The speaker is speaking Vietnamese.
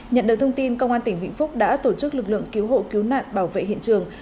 nhận được thông tin công an tỉnh vĩnh phúc đã tổ chức lực lượng cứu hộ cứu nạn bảo vệ hiện trường